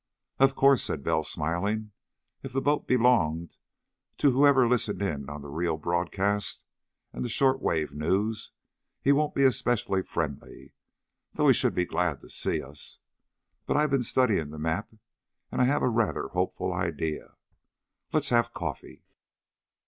"Of course," said Bell, smiling, "if the boat belonged to whoever listened in on the Rio broadcast and the short wave news, he won't be especially friendly, though he should be glad to see us. But I've been studying the map, and I have a rather hopeful idea. Let's have coffee."